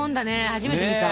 初めて見た。